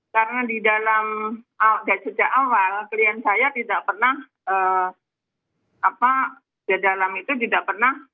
karena di dalam dasar awal klien saya tidak pernah apa di dalam itu tidak pernah